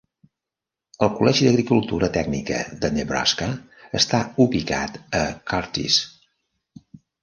El Col·legi d'Agricultura Tècnica de Nebraska està ubicat a Curtis.